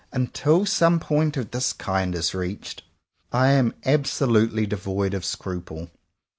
Until some point of this kind is reached, I am absolutely devoid of scruple.